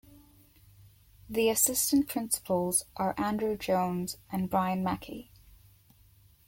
The assistant principals are Andrew Jones and Brian Mackey.